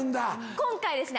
今回ですね